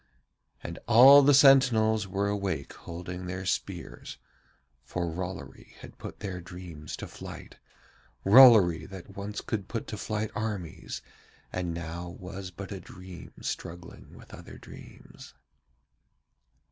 And all the sentinels were awake holding their spears, for Rollory had put their dreams to flight, Rollory that once could put to flight armies and now was but a dream struggling with other dreams.